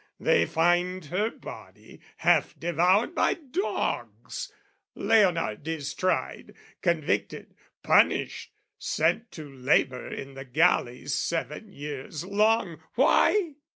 They find her body half devoured by dogs: Leonard is tried, convicted, punished, sent To labour in the galleys seven years long: Why?